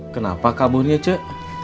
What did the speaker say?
kenapa kaburnya cik